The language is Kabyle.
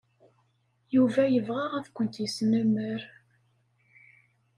Yuba yebɣa ad kent-yesnemmer.